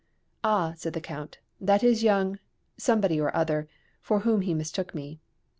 "Ah," said the Count, "that is young ," somebody or other for whom he mistook me.